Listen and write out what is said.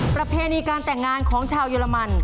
ประเพณีการแต่งงานของชาวเยอรมัน